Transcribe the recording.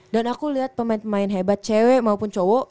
dan aku liat pemain pemain hebat cewe maupun cowok